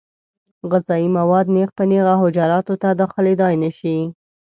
غذایي مواد نېغ په نېغه حجراتو ته داخلېدای نشي.